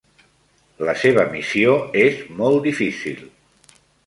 La seva missió és molt difícil.